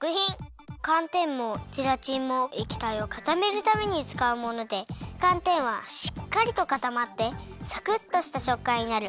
かんてんもゼラチンもえきたいをかためるためにつかうものでかんてんはしっかりとかたまってサクっとしたしょっかんになる。